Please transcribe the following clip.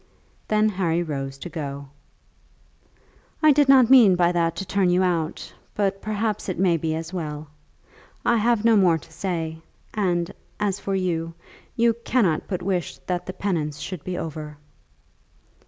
Then Harry rose to go. "I did not mean by that to turn you out, but perhaps it may be as well. I have no more to say, and as for you, you cannot but wish that the penance should be over."